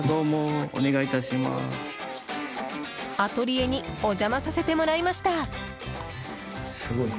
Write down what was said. アトリエにお邪魔させてもらいました。